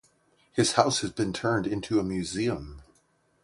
His house has been turned into a museum.